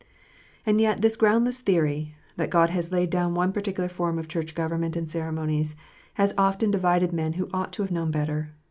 And yet this groundless theory, that God has laid down one particular form of Church government and ceremonies, has often divided men who ought to have known better.